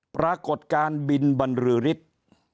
ปรากฏการณ์บินบรรลือฤทธิ์